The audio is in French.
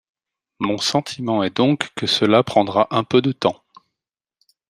Mon sentiment est donc que cela prendra un peu de temps.